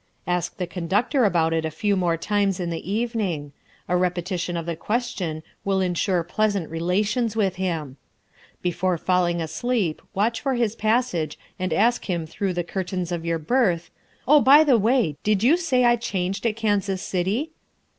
Ask the conductor about it a few more times in the evening: a repetition of the question will ensure pleasant relations with him. Before falling asleep watch for his passage and ask him through the curtains of your berth, "Oh, by the way, did you say I changed at Kansas City?"